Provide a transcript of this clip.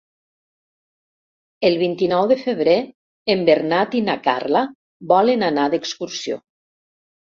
El vint-i-nou de febrer en Bernat i na Carla volen anar d'excursió.